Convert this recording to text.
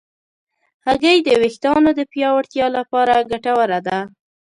هګۍ د ویښتانو د پیاوړتیا لپاره ګټوره ده.